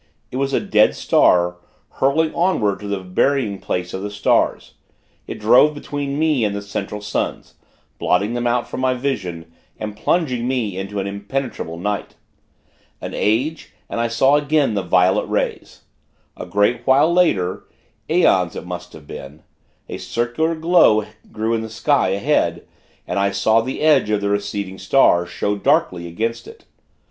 It was a dead star, hurling onward to the burying place of the stars. It drove between me and the Central Suns blotting them out from my vision, and plunging me into an impenetrable night. An age, and I saw again the violet rays. A great while later aeons it must have been a circular glow grew in the sky, ahead, and I saw the edge of the receding star, show darkly against it.